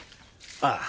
ああ。